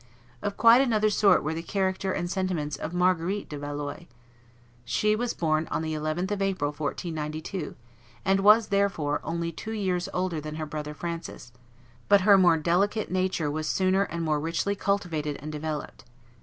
Of quite another sort were the character and sentiments of Marguerite de Valois. She was born on the 11th of April, 1492, and was, therefore, only two years older than her brother Francis; but her more delicate nature was sooner and more richly cultivated and developed.